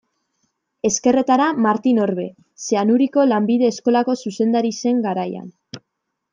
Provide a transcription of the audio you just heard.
Ezkerretara, Martin Orbe, Zeanuriko lanbide eskolako zuzendari zen garaian.